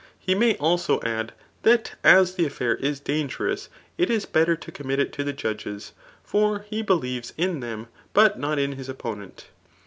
He may also add, that as the affair is dangerous, it is better to ^mmit it to the judges ; for he believes in them, but not in his opponent.